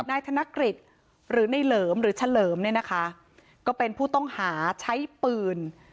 นายธนกฤษหรือในเหลิมหรือเฉลิมเนี่ยนะคะก็เป็นผู้ต้องหาใช้ปืน